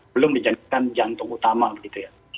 belum dijadikan jantung utama begitu ya